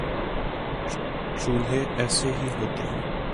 چولہے ایسے ہی ہوتے ہوں